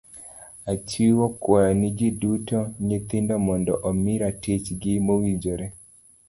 Achiwo kwayo ne ji duto, nyithindo mondo omi ratich gi mowinjore.